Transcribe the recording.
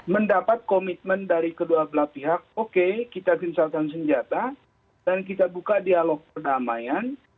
mendapat komitmen dari kedua belah pihak oke kita pisahkan senjata dan kita buka dialog perdamaian